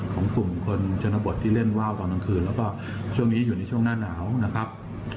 ของกลุ่มคนชนบทที่เล่นว่าวตอนกลางคืนแล้วก็ช่วงนี้อยู่ในช่วงหน้าหนาวนะครับ